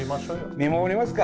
見守りますか！